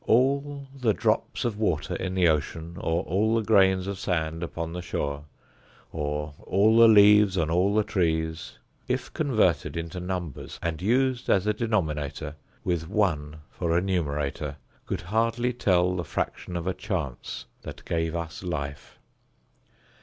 All the drops of water in the ocean, or all the grains of sand upon the shore, or all the leaves on all the trees, if converted into numbers and used as a denominator, with one for a numerator, could hardly tell the fraction of a chance that gave us life.